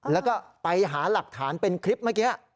แล้วก็ไปหาหลักฐานเป็นคลิปเมื่อกี้